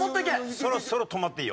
そろそろ止まっていいよ。